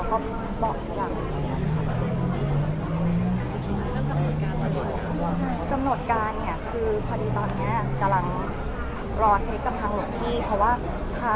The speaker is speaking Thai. แล้วก็บอกทุกสิ่งที่เราก็เลี้ยงเลย